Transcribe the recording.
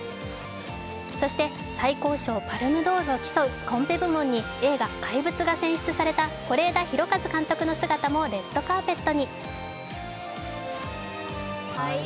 そして最高賞パルムドールを競うコンペ部門に映画「怪物」が選出された是枝裕和監督の姿もレッドカーペットに。